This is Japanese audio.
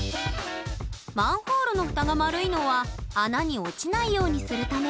マンホールの蓋が丸いのは穴に落ちないようにするため。